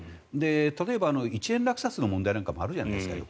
例えば、１円落札の問題もよくあるじゃないですか。